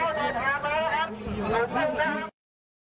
วิทยาลัยเมริกาวิทยาลัยเมริกา